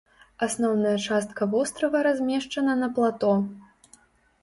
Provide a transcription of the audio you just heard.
Асноўная частка вострава размешчана на плато.